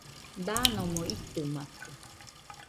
Dakomo itɨmakɨ